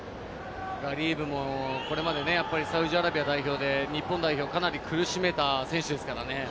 ガリーブもこれまでサウジアラビア代表で日本代表をかなり苦しめた選手ですからね。